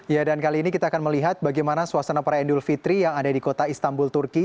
ya dan kali ini kita akan melihat bagaimana suasana perayaan idul fitri yang ada di kota istanbul turki